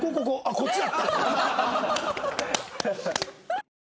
こっちだった。